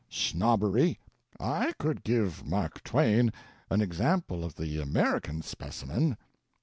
Snobbery.... I could give Mark Twain an example of the American specimen.